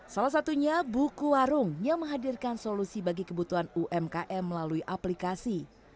salah satunya buku warung yang menghadirkan solusi bagi kebutuhan umkm melalui aplikasi